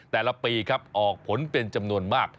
แต่ละปีครับออกผลเป็นจำนวนมาก